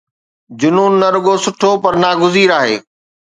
جنون نه رڳو سٺو پر ناگزير آهي.